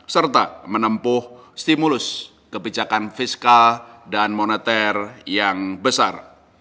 serta menempuh stimulus kebijakan fiskal dan moneter yang besar